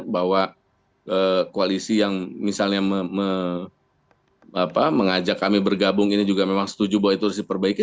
bahwa koalisi yang misalnya mengajak kami bergabung ini juga memang setuju bahwa itu harus diperbaiki